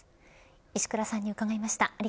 石倉さんに伺いました。